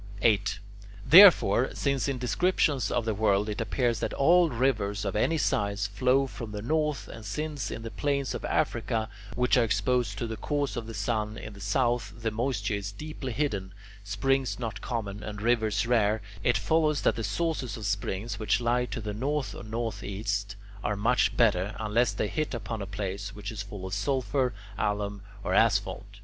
8. Therefore, since in descriptions of the world it appears that all rivers of any size flow from the north, and since in the plains of Africa, which are exposed to the course of the sun in the south, the moisture is deeply hidden, springs not common, and rivers rare, it follows that the sources of springs which lie to the north or northeast are much better, unless they hit upon a place which is full of sulphur, alum, or asphalt.